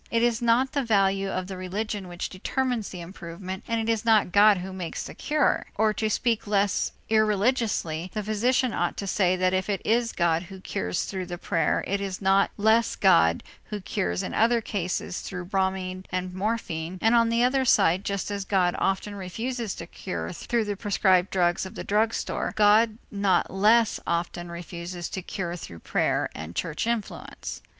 It is not the value of the religion which determines the improvement, and it is not God who makes the cure; or to speak less irreligiously, the physician ought to say that if it is God who cures through the prayer, it is not less God who cures in other cases through bromide and morphine, and on the other side just as God often refuses to cure through the prescribed drugs of the drug store, God not less often refuses to cure through prayer and church influence.